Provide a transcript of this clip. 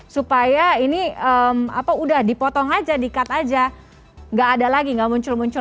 supaya ini apa sudah dipotong saja di cut saja tidak ada lagi tidak muncul muncul